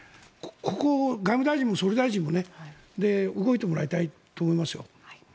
ここを外務大臣も総理大臣も動いてもらいたいと思いますよ。